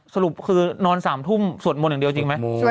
สรุปคือนอน๓ทุ่มสวดมนต์อย่างเดียวจริงไหม